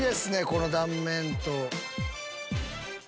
この断面と。